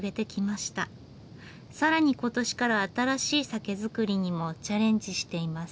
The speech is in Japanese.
更に今年から新しい酒造りにもチャレンジしています。